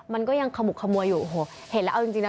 มันก็ยังขมุกขมัวอยู่โอ้โหเห็นแล้วเอาจริงนะ